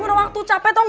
gue udah waktu capek dong